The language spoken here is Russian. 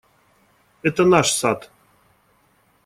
Это наш сад.